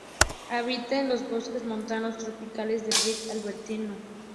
Habita en los bosques montanos tropicales del rift Albertino.